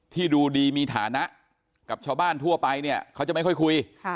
ดูดีมีฐานะกับชาวบ้านทั่วไปเนี่ยเขาจะไม่ค่อยคุย